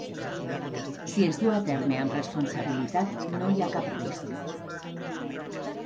Si es du a terme amb responsabilitat, no hi ha cap risc.